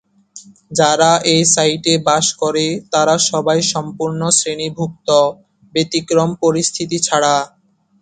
যারা এই সাইটে বাস করে, তারা সবাই সম্পূর্ণ শ্রেণীভুক্ত, ব্যতিক্রম পরিস্থিতি ছাড়া।